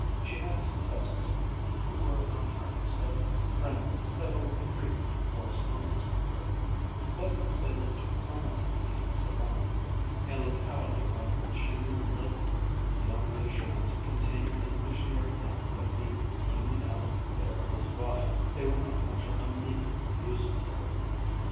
She had some cousins who were on terms of friendly, though infrequent, correspondence with her, but as they lived permanently in Ceylon, a locality about which she knew little, beyond the assurance contained in the missionary hymn that the human element there was vile, they were not of much immediate use to her.